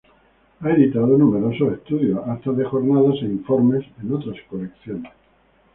Ha editado numerosos estudios, actas de jornadas e informes en otras colecciones.